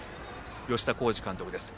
吉田洸二監督です。